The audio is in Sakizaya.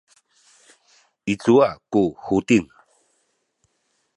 i cuwa ku Huting?